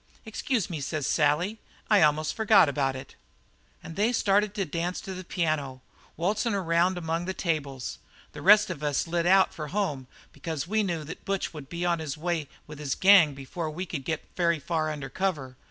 "'Excuse me,' says Sally, 'I almost forgot about it.' "And they started to dance to the piano, waltzin' around among the tables; the rest of us lit out for home because we knew that Butch would be on his way with his gang before we got very far under cover.